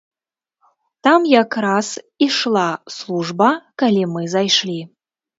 Там якраз ішла служба, калі мы зайшлі.